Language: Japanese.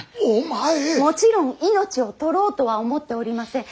もちろん命を取ろうとは思っておりません。